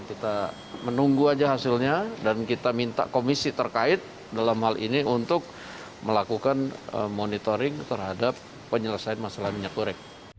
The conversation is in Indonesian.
kita menunggu aja hasilnya dan kita minta komisi terkait dalam hal ini untuk melakukan monitoring terhadap penyelesaian masalah minyak goreng